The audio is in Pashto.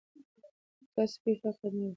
که کسب وي نو فقر نه وي.